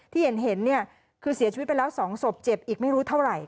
ที่เห็นเนี่ยคือเสียชีวิตไปแล้ว๒ศพเจ็บอีกไม่รู้เท่าไหร่